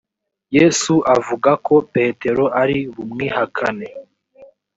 yesu avuga ko petero ari bumwihakane